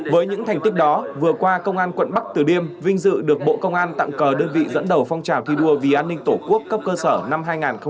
với những thành tích đó vừa qua công an quận bắc từ liêm vinh dự được bộ công an tặng cờ đơn vị dẫn đầu phong trào thi đua vì an ninh tổ quốc cấp cơ sở năm hai nghìn hai mươi ba